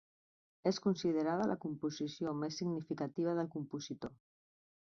És considerada la composició més significativa del compositor.